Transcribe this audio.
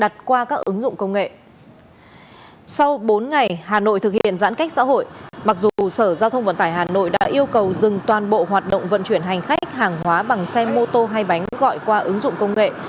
tuy nhiên dãn cách xã hội mặc dù sở giao thông vận tải hà nội đã yêu cầu dừng toàn bộ hoạt động vận chuyển hành khách hàng hóa bằng xe mô tô hay bánh gọi qua ứng dụng công nghệ